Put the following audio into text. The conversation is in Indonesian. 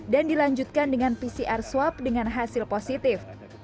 dan dilanjutkan dengan pcr swab dengan hasil positif